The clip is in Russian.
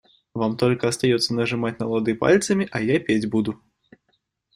Вам только остается нажимать на лады пальцами, а я петь буду.